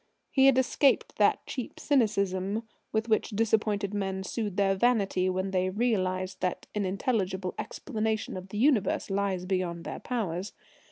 He had escaped that cheap cynicism with which disappointed men soothe their vanity when they realise that an intelligible explanation of the universe lies beyond their powers.